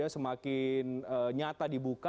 semakin nyata dibuka